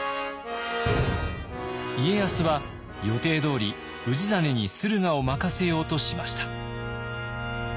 家康は予定どおり氏真に駿河を任せようとしました。